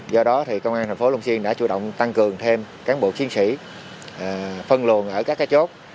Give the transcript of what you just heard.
do đó thì công an thành phố long xuyên đã chủ động tăng cường thêm cán bộ chiến sĩ phân luồn ở các cái chốt